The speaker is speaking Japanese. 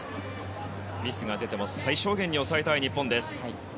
ミスが出ても最小限に抑えたい日本。